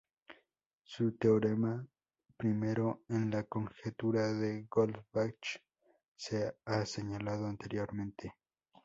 Su teorema I, en la conjetura de Goldbach, se ha señalado anteriormente.